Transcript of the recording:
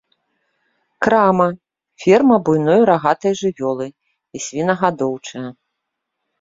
Крама, ферма буйной рагатай жывёлы і свінагадоўчая.